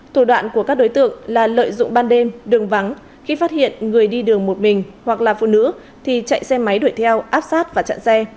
thủ đoạn của các đối tượng là lợi dụng ban đêm đường vắng khi phát hiện người đi đường một mình hoặc là phụ nữ thì chạy xe máy đuổi theo áp sát và chặn xe